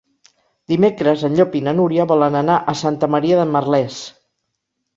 Dimecres en Llop i na Núria volen anar a Santa Maria de Merlès.